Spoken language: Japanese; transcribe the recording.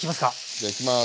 じゃいきます。